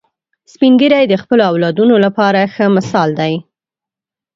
سپین ږیری د خپلو اولادونو لپاره ښه مثال دي